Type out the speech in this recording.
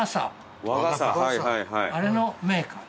あれのメーカー。